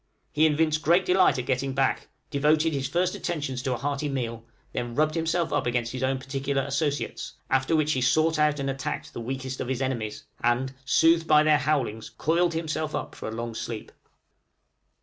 He evinced great delight in getting back, devoted his first attentions to a hearty meal, then rubbed himself up against his own particular associates, after which he sought out and attacked the weakest of his enemies, and, soothed by their howlings, coiled himself up for a long sleep.